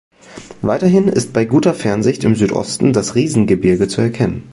Weiterhin ist bei guter Fernsicht im Südosten das Riesengebirge zu erkennen.